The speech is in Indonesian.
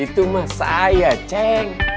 itu mah saya ceng